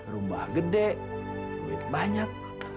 rumah gede banyak